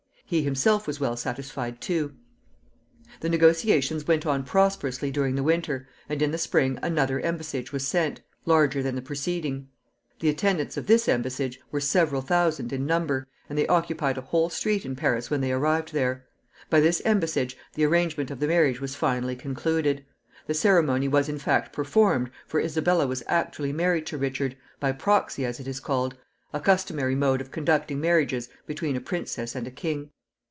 He himself was well satisfied too. The negotiations went on prosperously during the winter, and in the spring another embassage was sent, larger than the preceding. The attendants of this embassage were several thousand in number, and they occupied a whole street in Paris when they arrived there. By this embassage the arrangement of the marriage was finally concluded. The ceremony was in fact performed, for Isabella was actually married to Richard, by proxy as it is called, a customary mode of conducting marriages between a princess and a king.